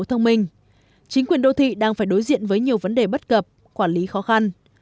thông minh chính quyền đô thị đang phải đối diện với nhiều vấn đề bất cập quản lý khó khăn